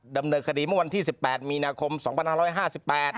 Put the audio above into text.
ดำเนินคดีเมื่อวันที่สิบแปดมีนาคมสองพันห้าร้อยห้าสิบแปด